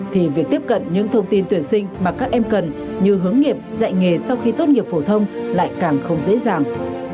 thì việc tiếp cận những thông tin tuyển sinh mà các em cần như hướng nghiệp dạy nghề sau khi tốt nghiệp phổ thông lại càng không dễ dàng